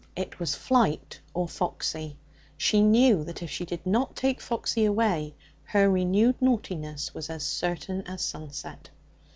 It was flight or Foxy. She knew that if she did not take Foxy away, her renewed naughtiness was as certain as sunset.